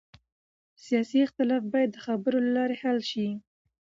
سیاسي اختلاف باید د خبرو له لارې حل شي